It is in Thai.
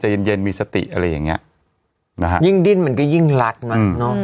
เย็นเย็นมีสติอะไรอย่างเงี้ยนะฮะยิ่งดิ้นมันก็ยิ่งรัดมั้งเนอะ